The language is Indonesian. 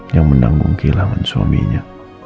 yang menanggung kehilangan suaminya